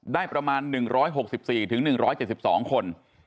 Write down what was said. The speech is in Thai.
ได้ประมาณ๑๖๔๑๗๒คน